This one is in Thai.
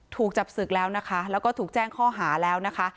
ถูกจับศึกแล้วนะคะแล้วก็ถูกแจ้งข้อหาแล้วนะคะ